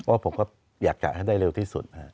ว่าผมก็อยากจับให้ได้เร็วที่สุดค่ะ